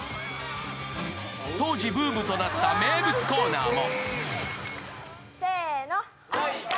当時、ブームとなった名物コーナーも。